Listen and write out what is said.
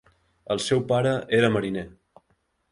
El seu pare era mariner.